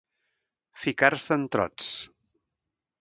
Ficar-se en trots.